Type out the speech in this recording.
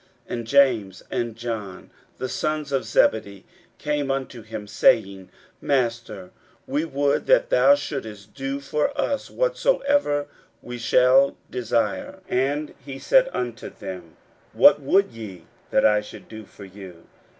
41:010:035 And James and John, the sons of Zebedee, come unto him, saying, Master, we would that thou shouldest do for us whatsoever we shall desire. 41:010:036 And he said unto them, What would ye that I should do for you?